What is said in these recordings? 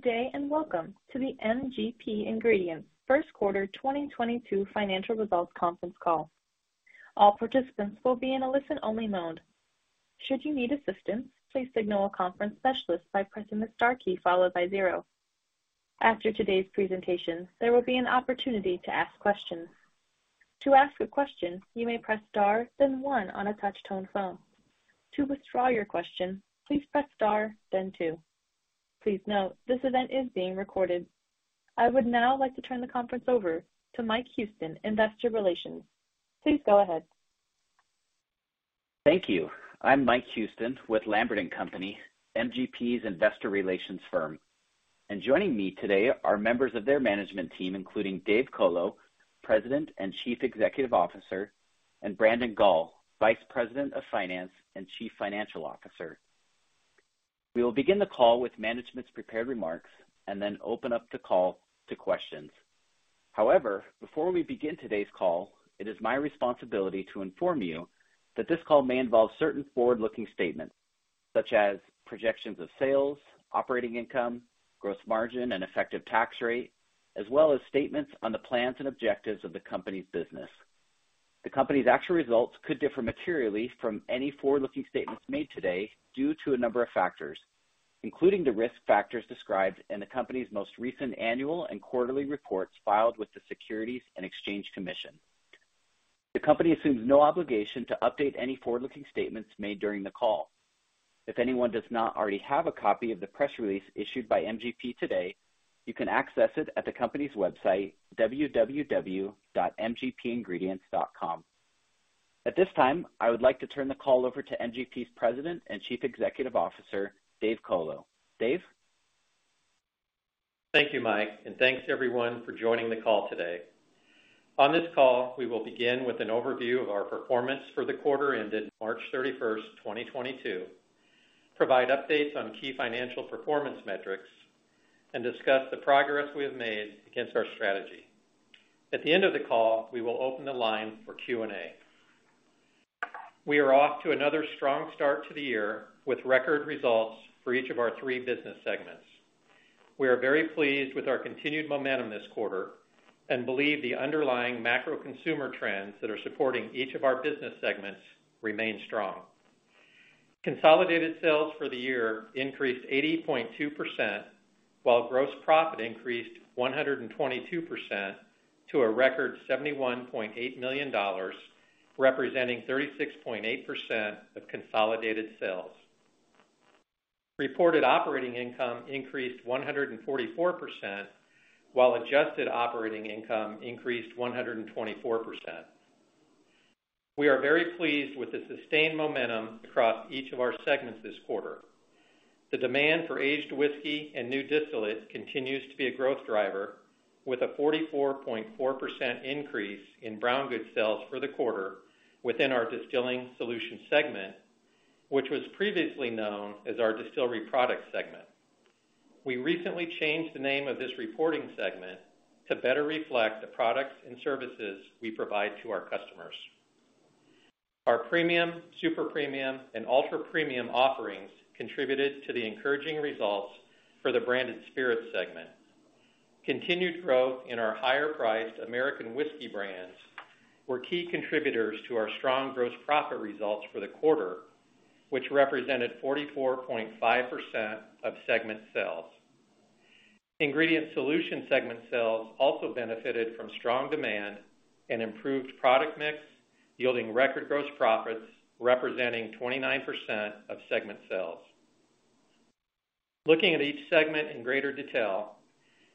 Good day, and welcome to the MGP Ingredients first quarter 2022 financial results conference call. All participants will be in a listen-only mode. Should you need assistance, please signal a conference specialist by pressing the star key followed by zero. After today's presentation, there will be an opportunity to ask questions. To ask a question, you may press star then one on a touch-tone phone. To withdraw your question, please press star then two. Please note, this event is being recorded. I would now like to turn the conference over to Mike Houston, Investor Relations. Please go ahead. Thank you. I'm Mike Houston with Lambert & Co., MGP's investor relations firm. Joining me today are members of their management team, including David Colo, President and Chief Executive Officer, and Brandon Gall, Vice President of Finance and Chief Financial Officer. We will begin the call with management's prepared remarks and then open up the call to questions. However, before we begin today's call, it is my responsibility to inform you that this call may involve certain forward-looking statements such as projections of sales, operating income, gross margin, and effective tax rate, as well as statements on the plans and objectives of the company's business. The company's actual results could differ materially from any forward-looking statements made today due to a number of factors, including the risk factors described in the company's most recent annual and quarterly reports filed with the Securities and Exchange Commission. The company assumes no obligation to update any forward-looking statements made during the call. If anyone does not already have a copy of the press release issued by MGP today, you can access it at the company's website, mgpingredients.com. At this time, I would like to turn the call over to MGP's President and Chief Executive Officer, David Colo. David. Thank you, Mike, and thanks everyone for joining the call today. On this call, we will begin with an overview of our performance for the quarter ended March 31st, 2022, provide updates on key financial performance metrics, and discuss the progress we have made against our strategy. At the end of the call, we will open the line for Q&A. We are off to another strong start to the year with record results for each of our three business segments. We are very pleased with our continued momentum this quarter and believe the underlying macro-consumer trends that are supporting each of our business segments remain strong. Consolidated sales for the year increased 80.2%, while gross profit increased 122% to a record $71.8 million, representing 36.8% of consolidated sales. Reported operating income increased 144%, while adjusted operating income increased 124%. We are very pleased with the sustained momentum across each of our segments this quarter. The demand for aged whiskey and new distillate continues to be a growth driver with a 44.4% increase in brown goods sales for the quarter within our Distilling Solutions segment, which was previously known as our Distillery Products segment. We recently changed the name of this reporting segment to better reflect the products and services we provide to our customers. Our premium, super premium, and ultra-premium offerings contributed to the encouraging results for the Branded Spirits segment. Continued growth in our higher-priced American whiskey brands were key contributors to our strong gross profit results for the quarter, which represented 44.5% of segment sales. Ingredient Solutions segment sales also benefited from strong demand and improved product mix, yielding record gross profits representing 29% of segment sales. Looking at each segment in greater detail,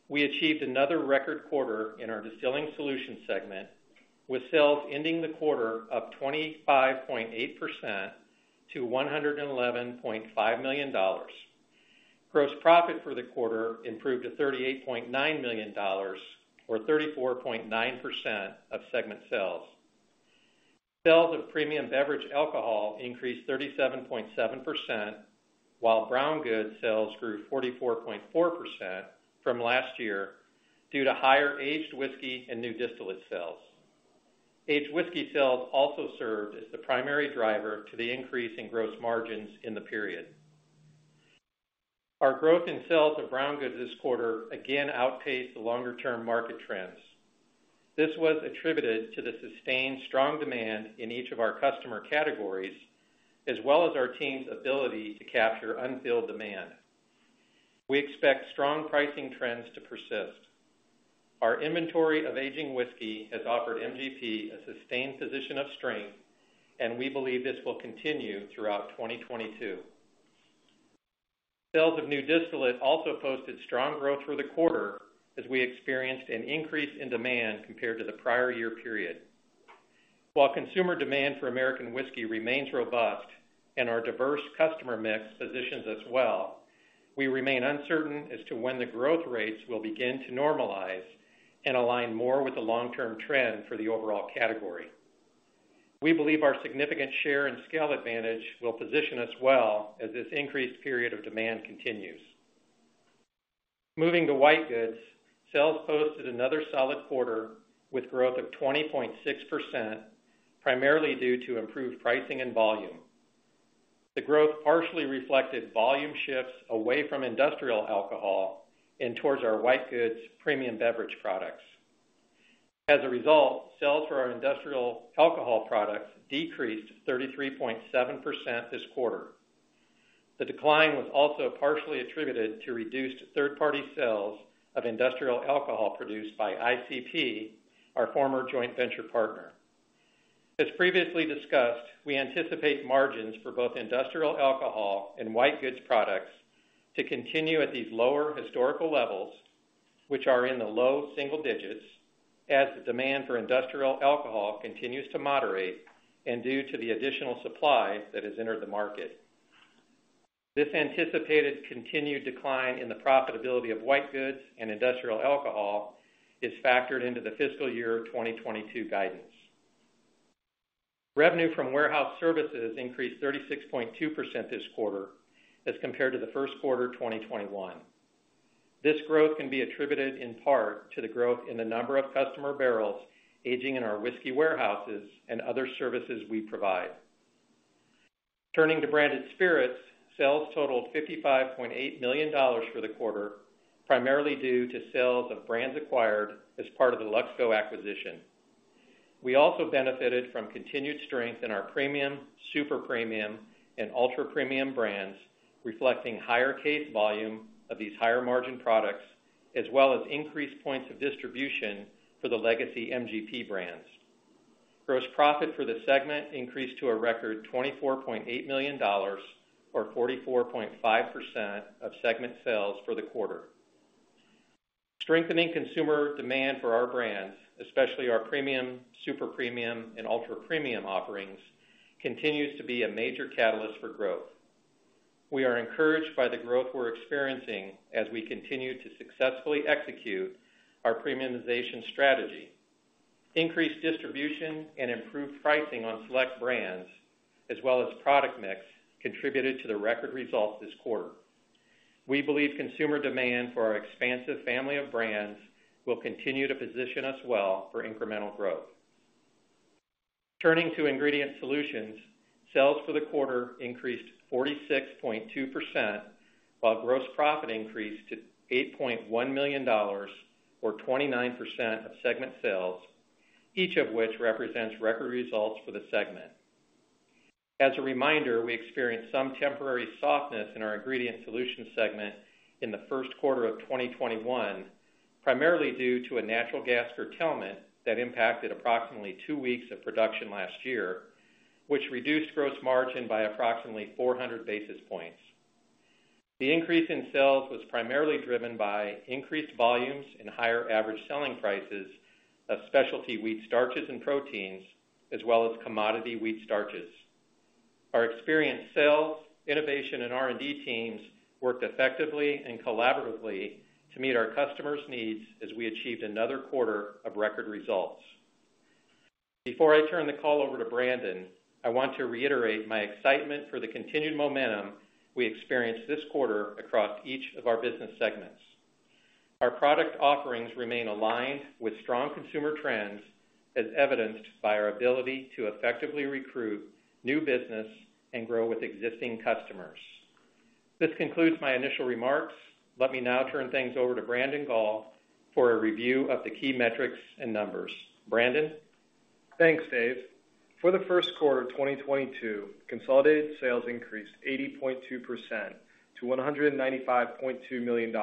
we achieved another record quarter in our Distilling Solutions segment, with sales ending the quarter up 25.8% to $111.5 million. Gross profit for the quarter improved to $38.9 million or 34.9% of segment sales. Sales of premium beverage alcohol increased 37.7%, while brown goods sales grew 44.4% from last year due to higher aged whiskey and new distillate sales. Aged whiskey sales also served as the primary driver to the increase in gross margins in the period. Our growth in sales of brown goods this quarter again outpaced the longer-term market trends. This was attributed to the sustained strong demand in each of our customer categories, as well as our team's ability to capture unfilled demand. We expect strong pricing trends to persist. Our inventory of aging whiskey has offered MGP a sustained position of strength, and we believe this will continue throughout 2022. Sales of new distillate also posted strong growth for the quarter as we experienced an increase in demand compared to the prior year period. While consumer demand for American whiskey remains robust and our diverse customer mix positions us well, we remain uncertain as to when the growth rates will begin to normalize and align more with the long-term trend for the overall category. We believe our significant share and scale advantage will position us well as this increased period of demand continues. Moving to white goods, sales posted another solid quarter with growth of 20.6%, primarily due to improved pricing and volume. The growth partially reflected volume shifts away from industrial alcohol and towards our white goods premium beverage products. As a result, sales for our industrial alcohol products decreased 33.7% this quarter. The decline was also partially attributed to reduced third-party sales of industrial alcohol produced by ICP, our former joint venture partner. As previously discussed, we anticipate margins for both industrial alcohol and white goods products to continue at these lower historical levels, which are in the low single digits as the demand for industrial alcohol continues to moderate and due to the additional supply that has entered the market. This anticipated continued decline in the profitability of white goods and industrial alcohol is factored into the fiscal year 2022 guidance. Revenue from warehouse services increased 36.2% this quarter as compared to the first quarter of 2021. This growth can be attributed in part to the growth in the number of customer barrels aging in our whiskey warehouses and other services we provide. Turning to Branded Spirits, sales totaled $55.8 million for the quarter, primarily due to sales of brands acquired as part of the Luxco acquisition. We also benefited from continued strength in our premium, super premium and ultra-premium brands, reflecting higher case volume of these higher margin products, as well as increased points of distribution for the legacy MGP brands. Gross profit for the segment increased to a record $24.8 million, or 44.5% of segment sales for the quarter. Strengthening consumer demand for our brands, especially our premium, super premium and ultra-premium offerings, continues to be a major catalyst for growth. We are encouraged by the growth we're experiencing as we continue to successfully execute our premiumization strategy. Increased distribution and improved pricing on select brands, as well as product mix, contributed to the record results this quarter. We believe consumer demand for our expansive family of brands will continue to position us well for incremental growth. Turning to Ingredient Solutions, sales for the quarter increased 46.2%, while gross profit increased to $8.1 million, or 29% of segment sales, each of which represents record results for the segment. As a reminder, we experienced some temporary softness in our Ingredient Solutions segment in the first quarter of 2021, primarily due to a natural gas curtailment that impacted approximately two weeks of production last year, which reduced gross margin by approximately 400 basis points. The increase in sales was primarily driven by increased volumes and higher average selling prices of specialty wheat starches and proteins, as well as commodity wheat starches. Our experienced sales, innovation and R&D teams worked effectively and collaboratively to meet our customers' needs as we achieved another quarter of record results. Before I turn the call over to Brandon, I want to reiterate my excitement for the continued momentum we experienced this quarter across each of our business segments. Our product offerings remain aligned with strong consumer trends, as evidenced by our ability to effectively recruit new business and grow with existing customers. This concludes my initial remarks. Let me now turn things over to Brandon Gall for a review of the key metrics and numbers. Brandon? Thanks, David. For the first quarter of 2022, consolidated sales increased 80.2% to $195.2 million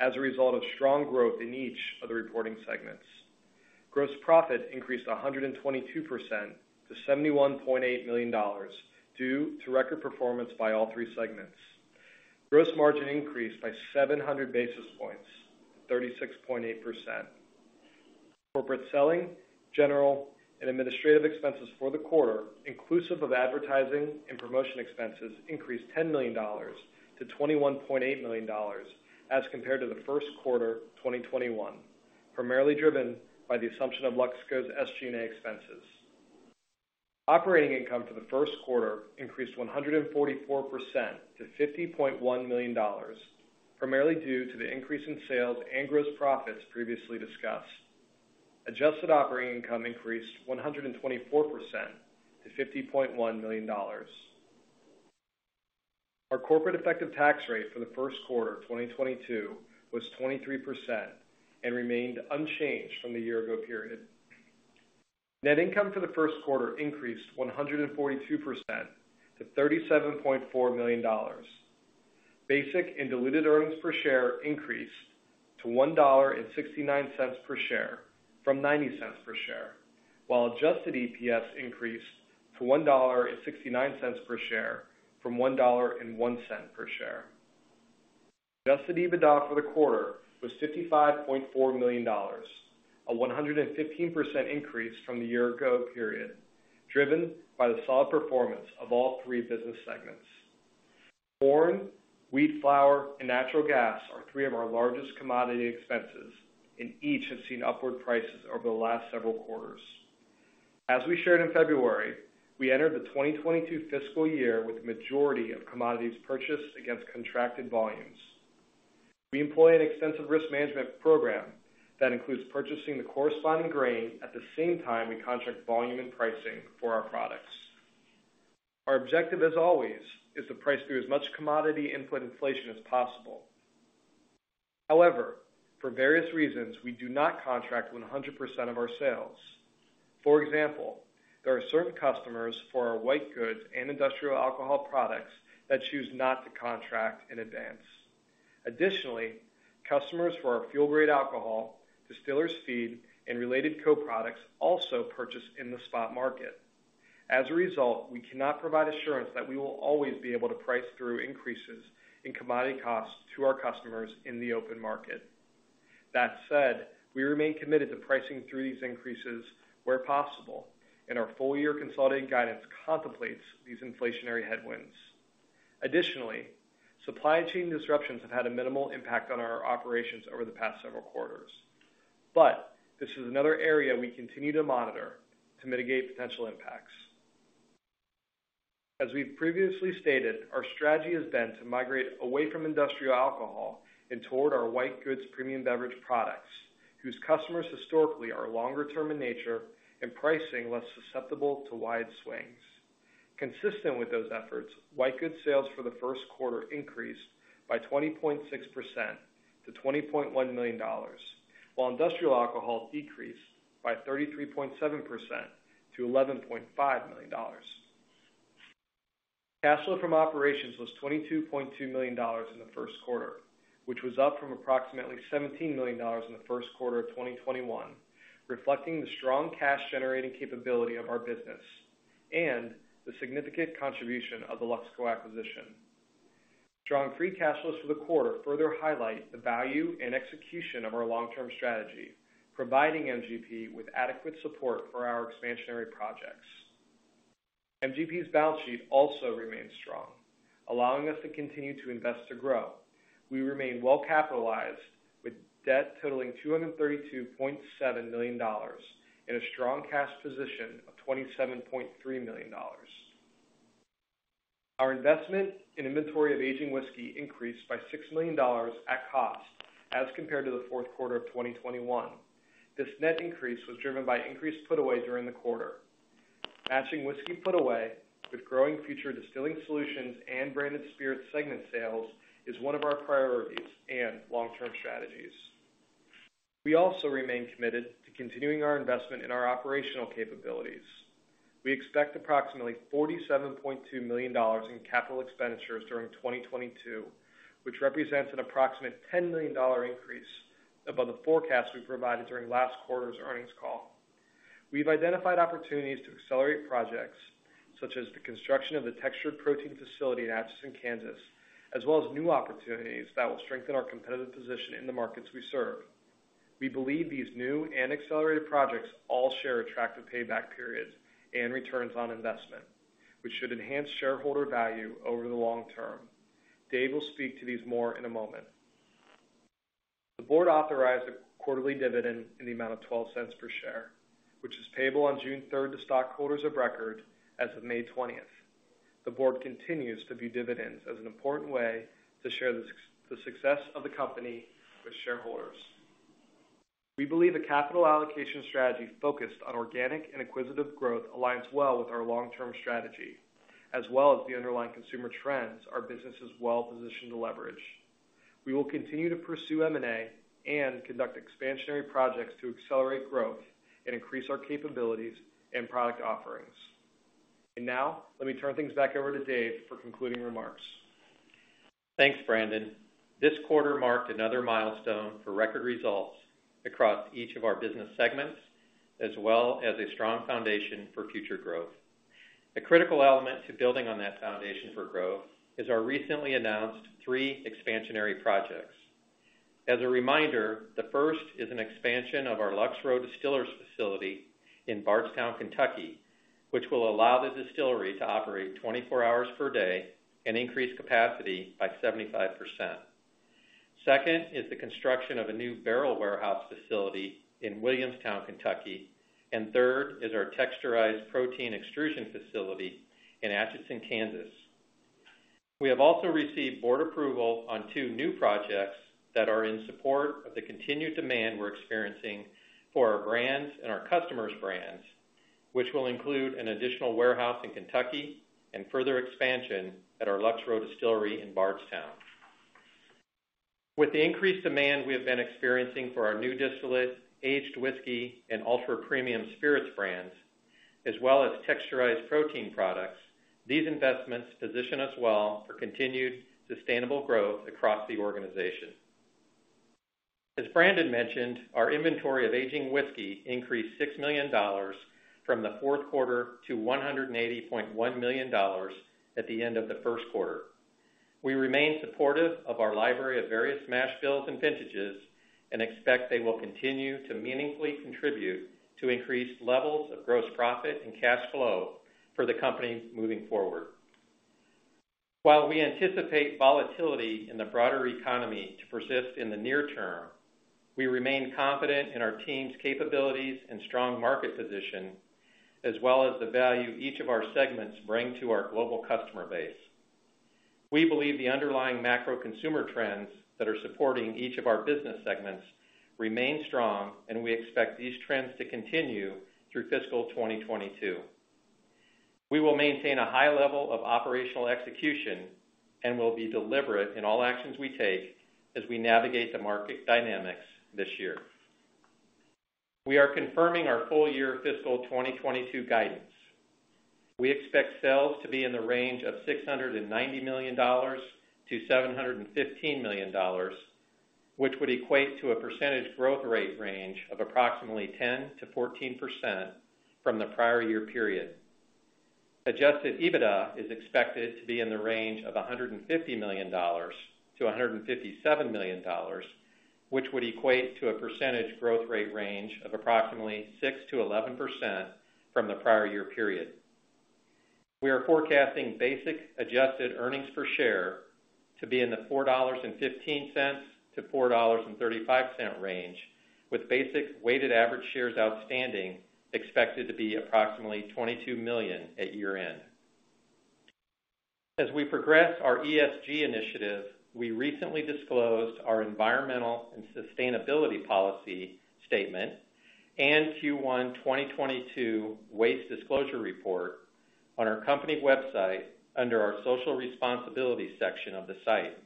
as a result of strong growth in each of the reporting segments. Gross profit increased 122% to $71.8 million due to record performance by all three segments. Gross margin increased by 700 basis points, 36.8%. Corporate selling, general and administrative expenses for the quarter, inclusive of advertising and promotion expenses, increased $10 million to $21.8 million as compared to the first quarter of 2021, primarily driven by the assumption of Luxco's SG&A expenses. Operating income for the first quarter increased 144% to $50.1 million, primarily due to the increase in sales and gross profits previously discussed. Adjusted operating income increased 124% to $50.1 million. Our corporate effective tax rate for the first quarter of 2022 was 23% and remained unchanged from the year ago period. Net income for the first quarter increased 142% to $37.4 million. Basic and diluted earnings per share increased to $1.69 per share from $0.90 per share, while adjusted EPS increased to $1.69 per share from $1.01 per share. Adjusted EBITDA for the quarter was $55.4 million, a 115% increase from the year ago period, driven by the solid performance of all three business segments. Corn, wheat flour, and natural gas are three of our largest commodity expenses, and each have seen upward prices over the last several quarters. As we shared in February, we entered the 2022 fiscal year with the majority of commodities purchased against contracted volumes. We employ an extensive risk management program that includes purchasing the corresponding grain at the same time we contract volume and pricing for our products. Our objective, as always, is to price through as much commodity input inflation as possible. However, for various reasons, we do not contract 100% of our sales. For example, there are certain customers for our white goods and industrial alcohol products that choose not to contract in advance. Additionally, customers for our fuel-grade alcohol, distillers feed, and related co-products also purchase in the spot market. As a result, we cannot provide assurance that we will always be able to price through increases in commodity costs to our customers in the open market. That said, we remain committed to pricing through these increases where possible, and our full-year consulting guidance contemplates these inflationary headwinds. Additionally, supply chain disruptions have had a minimal impact on our operations over the past several quarters. This is another area we continue to monitor to mitigate potential impacts. As we've previously stated, our strategy has been to migrate away from industrial alcohol and toward our white goods premium beverage products, whose customers historically are longer term in nature and pricing less susceptible to wide swings. Consistent with those efforts, white goods sales for the first quarter increased by 20.6% to $20.1 million, while industrial alcohol decreased by 33.7% to $11.5 million. Cash flow from operations was $22.2 million in the first quarter, which was up from approximately $17 million in the first quarter of 2021, reflecting the strong cash-generating capability of our business and the significant contribution of the Luxco acquisition. Strong free cash flows for the quarter further highlight the value and execution of our long-term strategy, providing MGP with adequate support for our expansionary projects. MGP's balance sheet also remains strong, allowing us to continue to invest to grow. We remain well-capitalized with debt totaling $232.7 million and a strong cash position of $27.3 million. Our investment in inventory of aging whiskey increased by $6 million at cost as compared to the fourth quarter of 2021. This net increase was driven by increased put away during the quarter. Matching whiskey put away with growing future Distilling Solutions and Branded Spirits segment sales is one of our priorities and long-term strategies. We also remain committed to continuing our investment in our operational capabilities. We expect approximately $47.2 million in capital expenditures during 2022, which represents an approximate $10 million increase above the forecast we provided during last quarter's earnings call. We've identified opportunities to accelerate projects, such as the construction of the textured protein facility in Atchison, Kansas, as well as new opportunities that will strengthen our competitive position in the markets we serve. We believe these new and accelerated projects all share attractive payback periods and returns on investment, which should enhance shareholder value over the long term. David will speak to these more in a moment. The board authorized a quarterly dividend in the amount of $0.12 per share, which is payable on June 3rd to stockholders of record as of May 20th. The board continues to view dividends as an important way to share the success of the company with shareholders. We believe a capital allocation strategy focused on organic and acquisitive growth aligns well with our long-term strategy, as well as the underlying consumer trends our business is well positioned to leverage. We will continue to pursue M&A and conduct expansionary projects to accelerate growth and increase our capabilities and product offerings. Now, let me turn things back over to David for concluding remarks. Thanks, Brandon. This quarter marked another milestone for record results across each of our business segments, as well as a strong foundation for future growth. A critical element to building on that foundation for growth is our recently announced three expansionary projects. As a reminder, the first is an expansion of our Lux Row Distillers facility in Bardstown, Kentucky, which will allow the distillery to operate 24 hours per day and increase capacity by 75%. Second is the construction of a new barrel warehouse facility in Williamstown, Kentucky, and third is our texturized protein extrusion facility in Atchison, Kansas. We have also received board approval on two new projects that are in support of the continued demand we're experiencing for our brands and our customers' brands, which will include an additional warehouse in Kentucky and further expansion at our Lux Row distillery in Bardstown. With the increased demand we have been experiencing for our new distillate, aged whiskey, and ultra-premium spirits brands, as well as texturized protein products, these investments position us well for continued sustainable growth across the organization. As Brandon mentioned, our inventory of aging whiskey increased $6 million from the fourth quarter to $180.1 million at the end of the first quarter. We remain supportive of our library of various mash bills and vintages and expect they will continue to meaningfully contribute to increased levels of gross profit and cash flow for the company moving forward. While we anticipate volatility in the broader economy to persist in the near term, we remain confident in our team's capabilities and strong market position. As well as the value each of our segments bring to our global customer base. We believe the underlying macro consumer trends that are supporting each of our business segments remain strong, and we expect these trends to continue through fiscal 2022. We will maintain a high level of operational execution and will be deliberate in all actions we take as we navigate the market dynamics this year. We are confirming our full year fiscal 2022 guidance. We expect sales to be in the range of $690 million-$715 million, which would equate to a percentage growth rate range of approximately 10%-14% from the prior year period. Adjusted EBITDA is expected to be in the range of $150 million-$157 million, which would equate to a percentage growth rate range of approximately 6%-11% from the prior year period. We are forecasting basic adjusted earnings per share to be in the $4.15-$4.35 range, with basic weighted average shares outstanding expected to be approximately 22 million at year-end. As we progress our ESG initiative, we recently disclosed our environmental and sustainability policy statement and Q1 2022 Waste Disclosure Report on our company website under our social responsibility section of the site.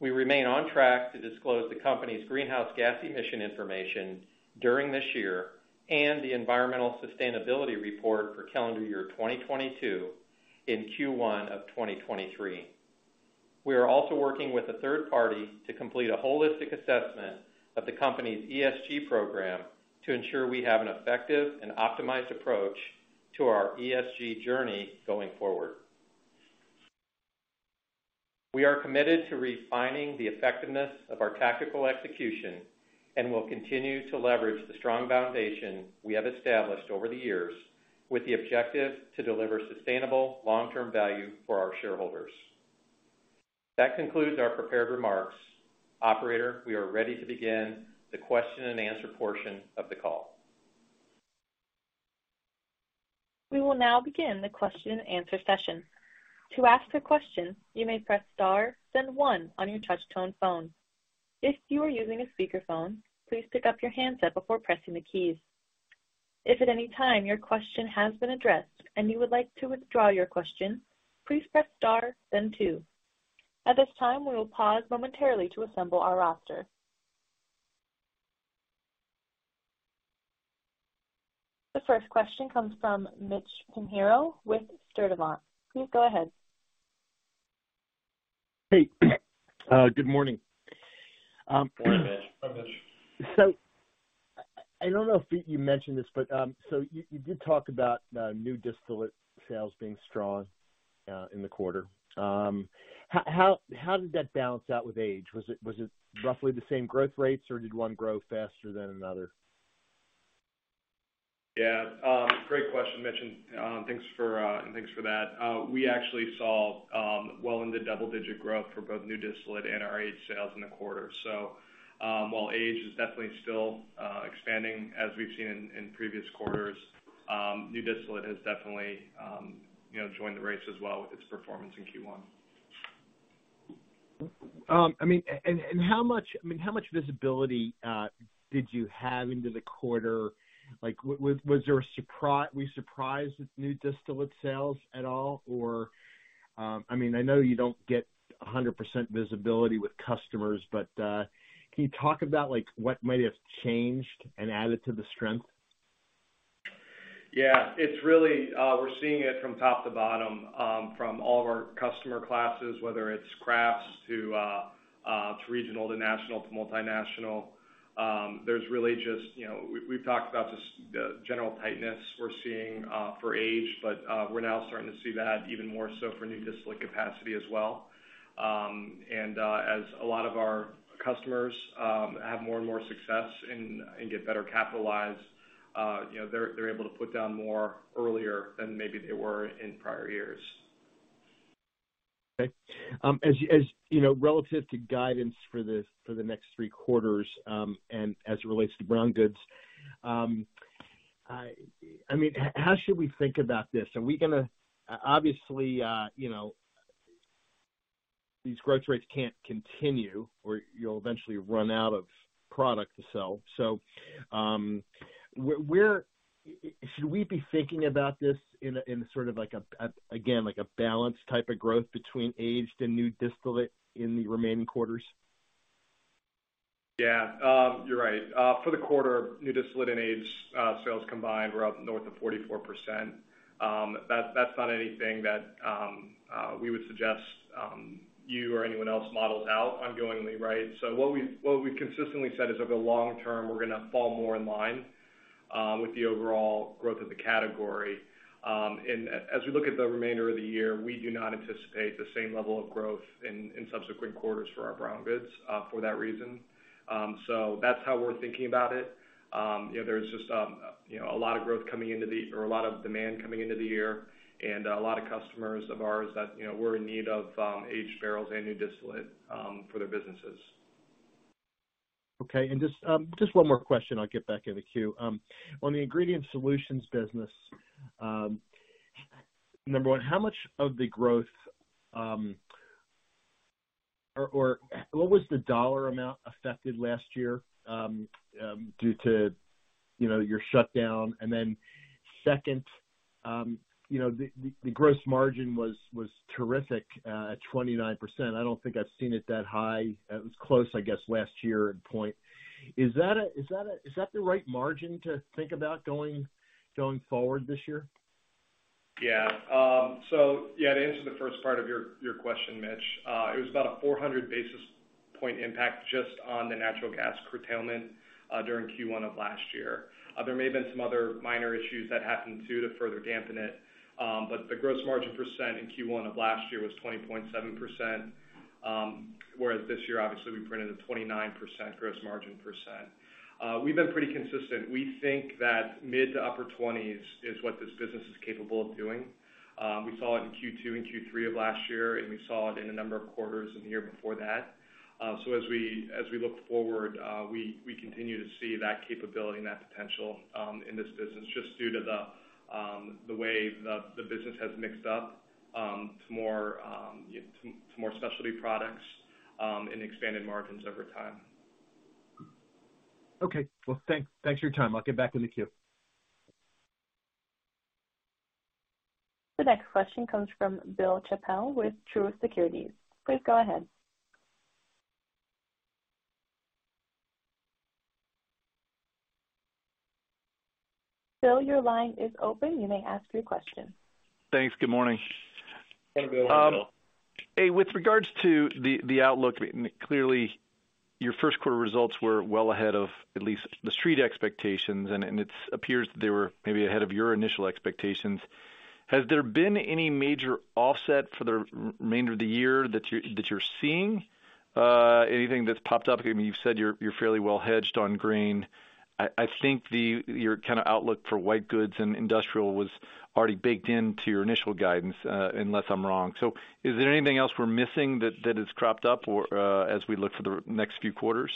We remain on track to disclose the company's greenhouse gas emission information during this year and the environmental sustainability report for calendar year 2022 in Q1 of 2023. We are also working with a third party to complete a holistic assessment of the company's ESG program to ensure we have an effective and optimized approach to our ESG journey going forward. We are committed to refining the effectiveness of our tactical execution and will continue to leverage the strong foundation we have established over the years with the objective to deliver sustainable long-term value for our shareholders. That concludes our prepared remarks. Operator, we are ready to begin the question-and-answer portion of the call. We will now begin the question-and-answer session. To ask a question, you may press star then one on your touchtone phone. If you are using a speakerphone, please pick up your handset before pressing the keys. If at any time your question has been addressed and you would like to withdraw your question, please press star then two. At this time, we will pause momentarily to assemble our roster. The first question comes from Mitchell Pinheiro with Stifel. Please go ahead. Hey, good morning. Good morning, Mitch. I don't know if you mentioned this, but so you did talk about new distillate sales being strong in the quarter. How did that balance out with aged? Was it roughly the same growth rates, or did one grow faster than another? Great question, Mitchell, and thanks for that. We actually saw well into double-digit growth for both new distillate and our aged sales in the quarter. While age is definitely still expanding as we've seen in previous quarters, new distillate has definitely, you know, joined the race as well with its performance in Q1. I mean, how much visibility did you have into the quarter? Were you surprised with new distillate sales at all? I mean, I know you don't get 100% visibility with customers, but, can you talk about, like, what might have changed and added to the strength? Yeah. It's really, we're seeing it from top to bottom, from all of our customer classes, whether it's crafts to regional to national to multinational. There's really just, you know, we've talked about this, the general tightness we're seeing for age, but we're now starting to see that even more so for new distillate capacity as well. As a lot of our customers have more and more success and get better capitalized, you know, they're able to put down more earlier than maybe they were in prior years. Okay. As you know, relative to guidance for the next three quarters, and as it relates to brown goods, I mean, how should we think about this? Obviously, you know, these growth rates can't continue, or you'll eventually run out of product to sell. Where should we be thinking about this in a sort of like a balanced type of growth between aged and new distillate in the remaining quarters? Yeah. You're right. For the quarter, new distillate and aged sales combined were up north of 44%. That's not anything that we would suggest you or anyone else models out ongoingly, right? What we've consistently said is over long term, we're gonna fall more in line with the overall growth of the category. As we look at the remainder of the year, we do not anticipate the same level of growth in subsequent quarters for our brown goods for that reason. That's how we're thinking about it. You know, there's just you know, a lot of growth coming into the. A lot of demand coming into the year and a lot of customers of ours that, you know, were in need of aged barrels and new distillate for their businesses. Okay. Just one more question, I'll get back in the queue. On the Ingredient Solutions business, number one, how much of the growth, or what was the dollar amount affected last year due to, you know, your shutdown? Second, you know, the gross margin was terrific at 29%. I don't think I've seen it that high. It was close, I guess, last year at 29%. Is that the right margin to think about going forward this year? Yeah. So yeah, to answer the first part of your question, Mitchell, it was about a 400 basis points impact just on the natural gas curtailment during Q1 of last year. There may have been some other minor issues that happened too to further dampen it, but the gross margin percent in Q1 of last year was 20.7%, whereas this year obviously we printed a 29% gross margin percent. We've been pretty consistent. We think that mid- to upper-20s is what this business is capable of doing. We saw it in Q2 and Q3 of last year, and we saw it in a number of quarters in the year before that. As we look forward, we continue to see that capability and that potential in this business just due to the way the business has mixed up to more specialty products and expanded margins over time. Okay. Well, thanks for your time. I'll get back in the queue. The next question comes from Bill Chappell with Truist Securities. Please go ahead. Bill, your line is open. You may ask your question. Thanks. Good morning. Hey, Bill. How are you? With regards to the outlook, clearly your first quarter results were well ahead of at least the street expectations, and it appears that they were maybe ahead of your initial expectations. Has there been any major offset for the remainder of the year that you're seeing? Anything that's popped up? I mean, you've said you're fairly well hedged on grain. I think your kind of outlook for white goods and industrial was already baked into your initial guidance, unless I'm wrong. Is there anything else we're missing that has cropped up or, as we look for the next few quarters?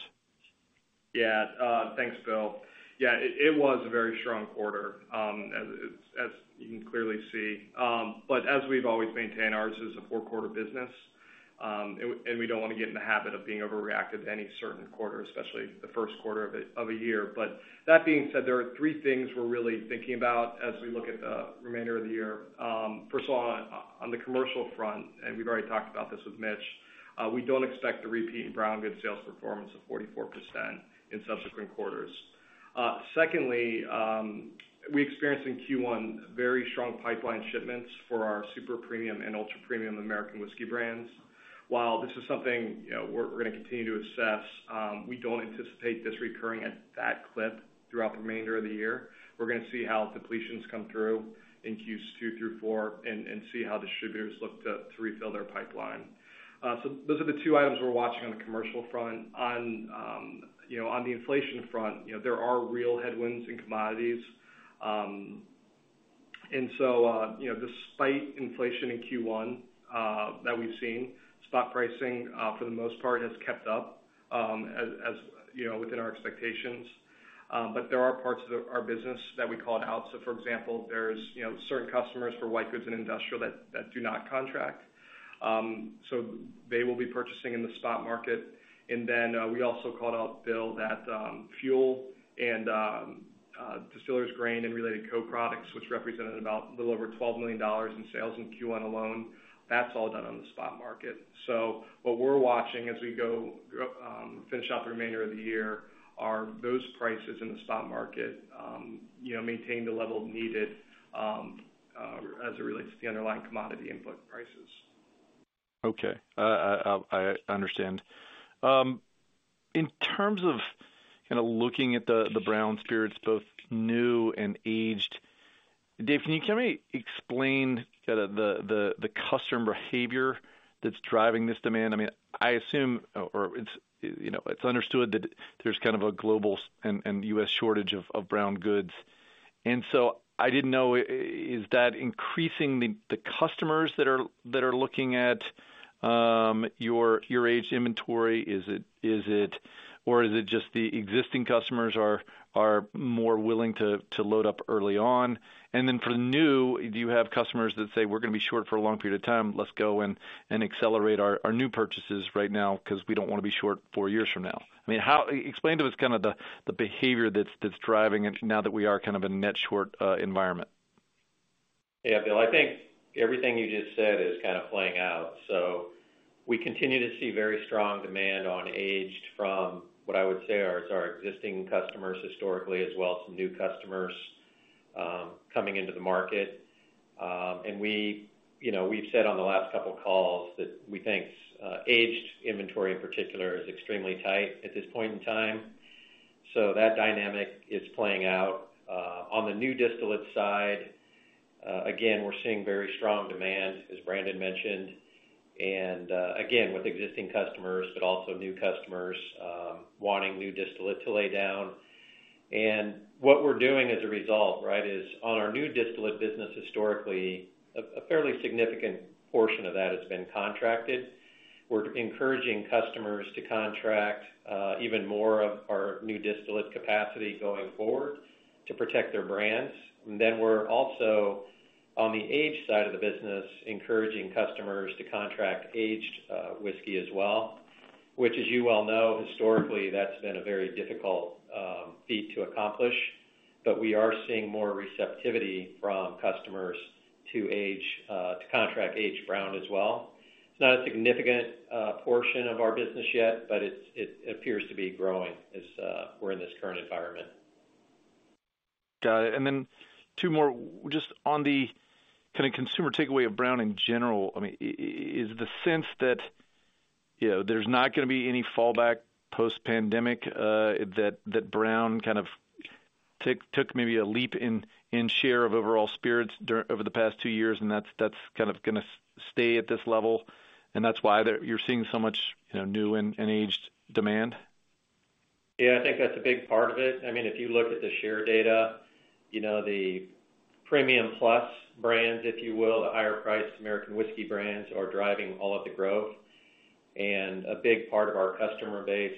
Yeah. Thanks, Bill. Yeah, it was a very strong quarter, as you can clearly see. As we've always maintained, ours is a four-quarter business, and we don't wanna get in the habit of being overreactive to any certain quarter, especially the first quarter of a year. That being said, there are three things we're really thinking about as we look at the remainder of the year. First of all, on the commercial front, and we've already talked about this with Mitchell, we don't expect to repeat brown goods sales performance of 44% in subsequent quarters. Secondly, we experienced in Q1 very strong pipeline shipments for our super premium and ultra premium American whiskey brands. While this is something, you know, we're gonna continue to assess. We don't anticipate this recurring at that clip throughout the remainder of the year. We're gonna see how depletions come through in Q2 through Q4 and see how distributors look to refill their pipeline. Those are the two items we're watching on the commercial front. On the inflation front, you know, there are real headwinds in commodities. Despite inflation in Q1 that we've seen, stock pricing for the most part has kept up, as you know, within our expectations. But there are parts of our business that we called out. For example, there are, you know, certain customers for white goods and industrial that do not contract. They will be purchasing in the stock market. We also called out Bill that fuel and distiller's grain and related co-products, which represented about a little over $12 million in sales in Q1 alone. That's all done on the spot market. What we're watching as we go finish out the remainder of the year are those prices in the stock market, you know, maintain the level needed as it relates to the underlying commodity input prices. Okay. I understand. In terms of kinda looking at the brown spirits, both new and aged, David, can we explain kinda the customer behavior that's driving this demand? I mean, I assume it's, you know, it's understood that there's kind of a global and US shortage of brown goods. I didn't know, is that increasing the customers that are looking at your aged inventory? Is it or is it just the existing customers are more willing to load up early on? For the new, do you have customers that say, "We're gonna be short for a long period of time. Let's go and accelerate our new purchases right now 'cause we don't wanna be short four years from now"? I mean, how. Explain to us kinda the behavior that's driving it now that we are kind of a net short environment. Yeah, Bill, I think everything you just said is kind of playing out. We continue to see very strong demand on aged from what I would say are, is our existing customers historically as well as some new customers coming into the market. We, you know, we've said on the last couple of calls that we think aged inventory in particular is extremely tight at this point in time. That dynamic is playing out. On the new distillate side, again, we're seeing very strong demand, as Brandon mentioned, and, again, with existing customers, but also new customers wanting new distillate to lay down. What we're doing as a result, right, is on our new distillate business. Historically, a fairly significant portion of that has been contracted. We're encouraging customers to contract even more of our new distillate capacity going forward to protect their brands. We're also, on the aged side of the business, encouraging customers to contract aged whiskey as well, which as you well know, historically, that's been a very difficult feat to accomplish. We are seeing more receptivity from customers to contract aged brown as well. It's not a significant portion of our business yet, but it appears to be growing as we're in this current environment. Got it. Two more, just on the kind of consumer takeaway of brown in general, I mean, is the sense that, you know, there's not gonna be any fallback post-pandemic, that brown kind of took maybe a leap in share of overall spirits over the past two years, and that's kind of gonna stay at this level, and that's why you're seeing so much, you know, new and aged demand? Yeah, I think that's a big part of it. I mean, if you look at the share data, you know, the premium plus brands, if you will, the higher priced American whiskey brands are driving all of the growth. A big part of our customer base,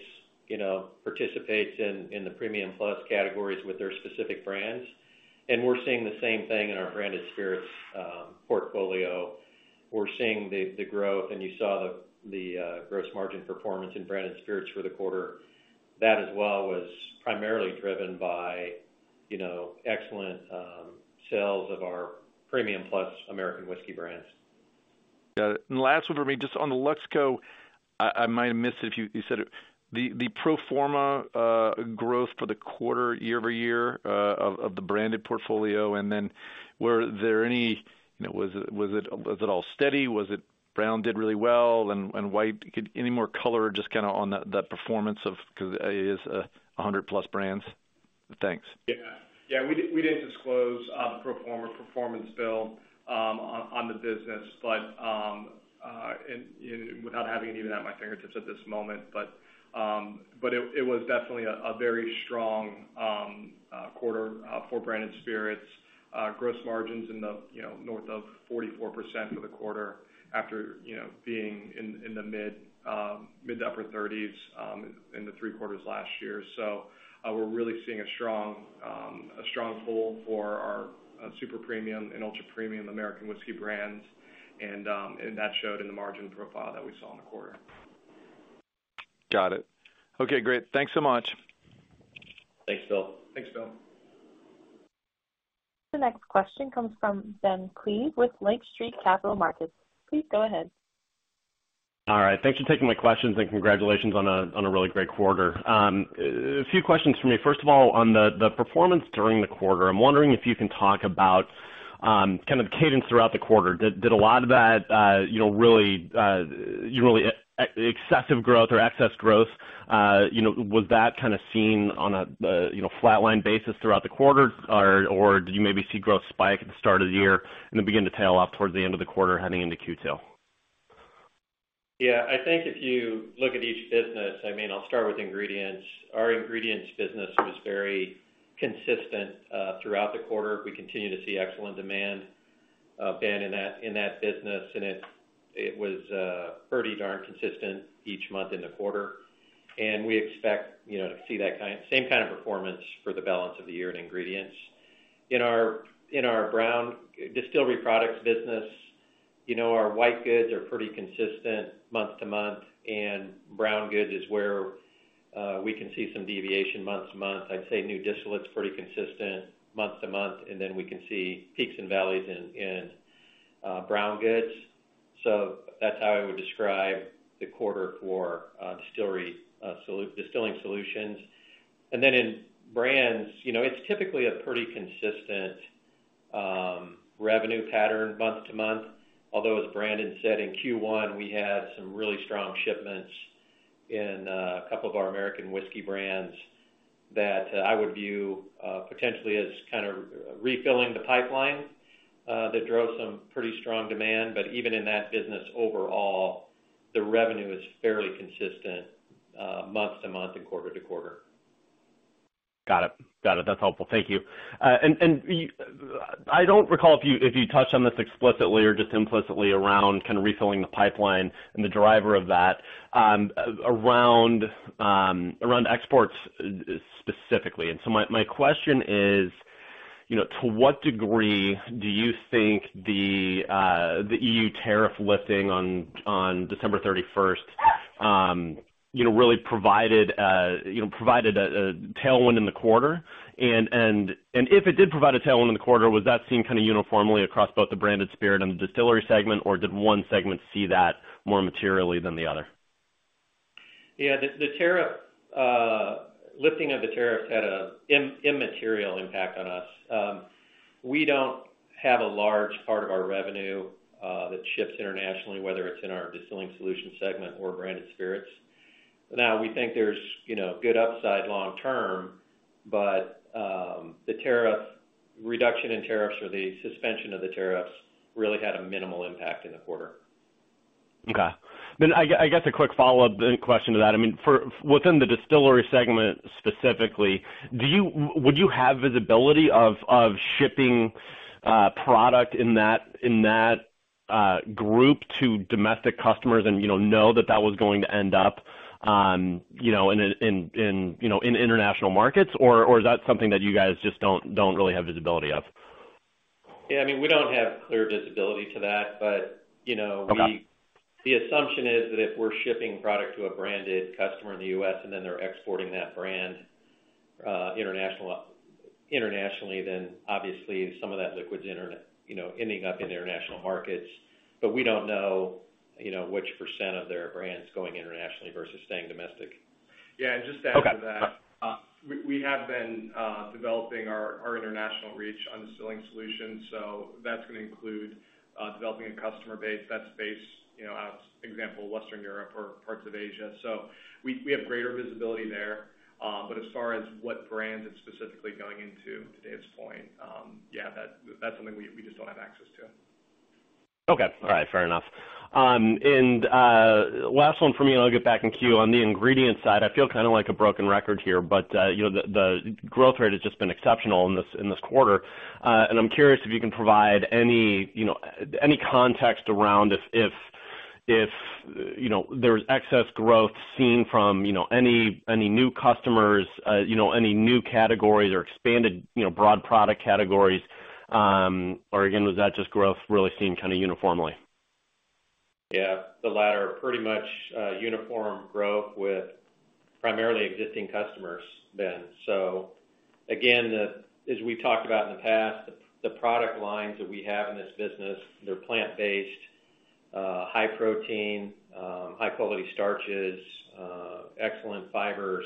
you know, participates in the premium plus categories with their specific brands. We're seeing the same thing in our Branded Spirits portfolio. We're seeing the growth, and you saw the gross margin performance in Branded Spirits for the quarter. That as well was primarily driven by, you know, excellent sales of our premium plus American whiskey brands. Got it. Last one for me, just on the Luxco, I might have missed it if you said it. The pro forma growth for the quarter, year-over-year, of the branded portfolio, and then were there any. You know, was it all steady? Was it brown did really well and white. Could any more color just kinda on that performance of 'cause it is 100+ brands? Thanks. Yeah. We did disclose the pro forma performance, Bill, on the business. You know, without having it even at my fingertips at this moment, but it was definitely a very strong quarter for Branded Spirits. Gross margins in the, you know, north of 44% for the quarter after, you know, being in the mid- to upper 30s in the three quarters last year. We're really seeing a strong pull for our super premium and ultra premium American whiskey brands, and that showed in the margin profile that we saw in the quarter. Got it. Okay, great. Thanks so much. Thanks, Bill. Thanks, Bill. The next question comes from Ben Klieve with Lake Street Capital Markets. Please go ahead. All right. Thanks for taking my questions, and congratulations on a really great quarter. A few questions from me. First of all, on the performance during the quarter, I'm wondering if you can talk about kind of the cadence throughout the quarter. Did a lot of that you know really excessive growth or excess growth you know was that kind of seen on a you know flat line basis throughout the quarter or did you maybe see growth spike at the start of the year and then begin to tail off towards the end of the quarter heading into Q2? Yeah. I think if you look at each business, I mean, I'll start with ingredients. Our ingredients business was very consistent throughout the quarter. We continue to see excellent demand, Ben, in that business, and it was pretty darn consistent each month in the quarter. We expect, you know, to see that same kind of performance for the balance of the year in ingredients. In our brown distillery products business, you know, our white goods are pretty consistent month to month, and brown goods is where we can see some deviation month to month. I'd say new distillate's pretty consistent month to month, and then we can see peaks and valleys in brown goods. That's how I would describe the quarter for distilling solutions. In brands, you know, it's typically a pretty consistent revenue pattern month to month. Although, as Brandon said, in Q1, we had some really strong shipments in a couple of our American whiskey brands that I would view potentially as kind of refilling the pipeline that drove some pretty strong demand. Even in that business overall, the revenue is fairly consistent month to month and quarter to quarter. Got it. That's helpful. Thank you. I don't recall if you touched on this explicitly or just implicitly around kind of refilling the pipeline and the driver of that, around exports specifically. My question is, you know, to what degree do you think the EU tariff lifting on December 31st really provided a tailwind in the quarter? If it did provide a tailwind in the quarter, was that seen kind of uniformly across both the Branded Spirits and the Distilling Solutions segment, or did one segment see that more materially than the other? Yeah. The tariff lifting of the tariffs had a immaterial impact on us. We don't have a large part of our revenue that ships internationally, whether it's in our Distilling Solutions segment or Branded Spirits. Now, we think there's, you know, good upside long term, but the tariff reduction in tariffs or the suspension of the tariffs really had a minimal impact in the quarter. Okay. I guess a quick follow-up then question to that. I mean, for within the distillery segment specifically, would you have visibility of shipping product in that group to domestic customers and, you know that that was going to end up, you know, in international markets? Or is that something that you guys just don't really have visibility of? Yeah, I mean, we don't have clear visibility to that, but, you know. Okay The assumption is that if we're shipping product to a branded customer in the U.S. and then they're exporting that brand internationally, then obviously some of that liquid's you know, ending up in international markets. But we don't know you know, which percent of their brand's going internationally versus staying domestic. Yeah, just to add to that. Okay. We have been developing our international reach on Distilling Solutions, so that's gonna include developing a customer base that's based, you know, example Western Europe or parts of Asia. We have greater visibility there. But as far as what brand is specifically going into David's point, yeah, that's something we just don't have access to. Okay. All right, fair enough. Last one for me and I'll get back in queue. On the ingredient side, I feel kinda like a broken record here, but you know, the growth rate has just been exceptional in this quarter. I'm curious if you can provide any context around if you know, there's excess growth seen from any new customers, you know, any new categories or expanded broad product categories, or again, was that just growth really seen kinda uniformly? Yeah. The latter. Pretty much, uniform growth with primarily existing customers then. Again, as we talked about in the past, the product lines that we have in this business, they're plant-based, high protein, high quality starches, excellent fibers.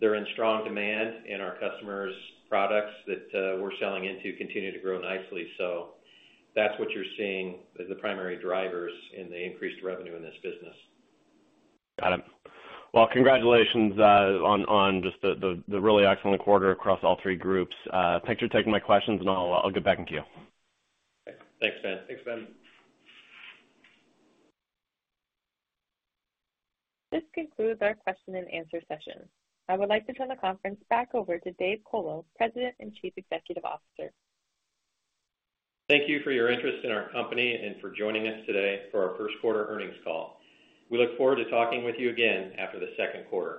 They're in strong demand, and our customers' products that we're selling into continue to grow nicely. That's what you're seeing as the primary drivers in the increased revenue in this business. Got it. Well, congratulations on just the really excellent quarter across all three groups. Thanks for taking my questions, and I'll get back in the queue. Thanks, Ben. Thanks, Ben. This concludes our question and answer session. I would like to turn the conference back over to David Colo, President and Chief Executive Officer. Thank you for your interest in our company and for joining us today for our first quarter earnings call. We look forward to talking with you again after the second quarter.